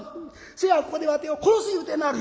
せやここでわてを殺す言うてなはる」。